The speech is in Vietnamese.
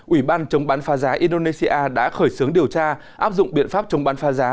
ủy ban chống bán pha giá indonesia đã khởi xướng điều tra áp dụng biện pháp chống bán pha giá